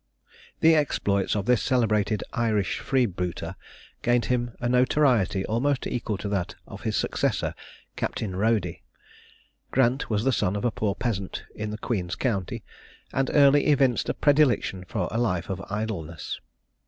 The exploits of this celebrated Irish freebooter gained for him a notoriety almost equal to that of his successor Captain Rody. Grant was the son of a poor peasant in the Queen's County, and early evinced a predilection for a life of idleness.